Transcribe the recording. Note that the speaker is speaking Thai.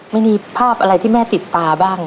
ไม่มีภาพอะไรที่แม่ติดตาบ้าง